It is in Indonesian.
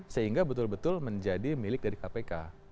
sehingga betul betul menjadi milik dari kpk